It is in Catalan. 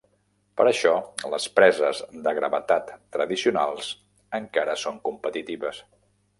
Per això les preses de gravetat tradicionals encara són competitives.